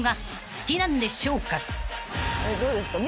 どうですか？